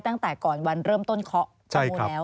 ตั้งแต่ก่อนวันเริ่มต้นเคาะชะโม่แล้ว